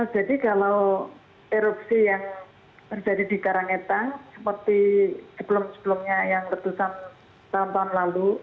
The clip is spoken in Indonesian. jadi kalau erupsi yang terjadi di karangetang seperti sebelum sebelumnya yang letusan tahun tahun lalu